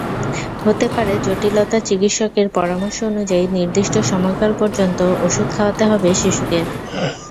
হতে পারে জটিলতাচিকিৎসকের পরামর্শ অনুযায়ী নির্দিষ্ট সময়কাল পর্যন্ত ওষুধ খাওয়াতে হবে শিশুকে।